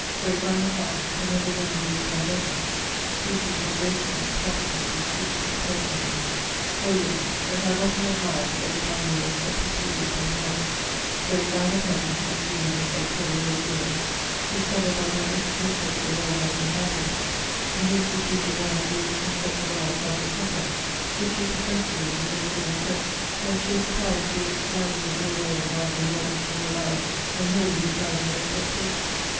great by her tongue, for never woman used one better, speaking so gracefully, promptly, discreetly, pertinently, holily, that I have often admired the edifying words that proceeded from her mouth; great by her pen, as you may (ex pede Herculem) discover by that little[XXVIII.] tast of it the world hath been happy in, the hasty fruit of one or two interrupted houres after supper, which she professed to me, with a little regret, when she was surprised with it's sliding into the world without her knowledge, or allowance, and wholly beside her expectation; [XXVIII.